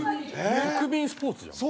国民スポーツじゃん。